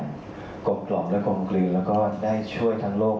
กลมกล่อมและกลมกลืนแล้วก็ได้ช่วยทั้งโลก